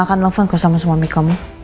mbak gak akan telfon ke sama sama mika kamu